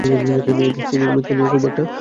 CC অমিতকে নিয়ে মনে মনে খুব একটা গর্ব বোধ করে।